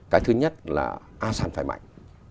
cái thứ nhất là asean phải mạnh